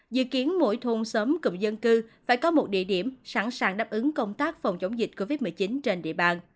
dự kiến mỗi thôn xóm cụm dân cư phải có một địa điểm sẵn sàng đáp ứng công tác phòng chống dịch covid một mươi chín trên địa bàn